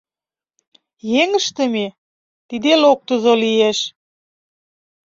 Еҥ ыштыме — тиде локтызо лиеш.